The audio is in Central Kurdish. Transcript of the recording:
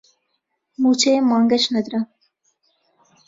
مووچەی ئەم مانگەش نەدرا